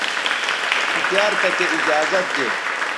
تی تیار تکے ایجازت دے